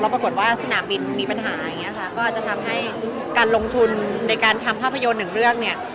ปรากฏว่าสนามบินมีปัญหาอย่างนี้ค่ะก็จะทำให้การลงทุนในการทำภาพยนตร์หนึ่งเรื่องเนี่ย